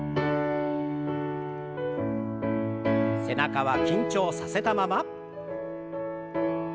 背中は緊張させたまま。